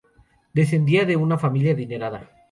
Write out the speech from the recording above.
Descendía de una familia adinerada.